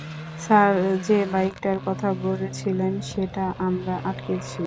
Sir, যে বাইকটার কথা বলেছিলেন সেটা আমরা আটকেছি।